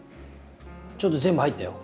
ちょっと全部入ったよ。